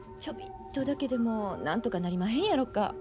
ちょびっとだけでもなんとかなりまへんやろか。